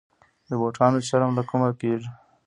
د بوټانو چرم له کومه کیږي؟